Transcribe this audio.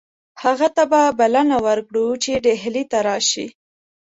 هغه ته به بلنه ورکړو چې ډهلي ته راشي.